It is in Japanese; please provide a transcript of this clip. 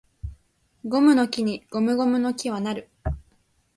ゴムの木にゴムゴムの木は成る